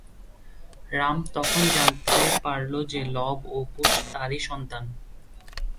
রাম তখন জানতে পারল যে লব ও কুশ তাঁরই সন্তান।